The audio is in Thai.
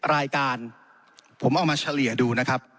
รายการผมเอามาเฉลี่ยดูนะครับ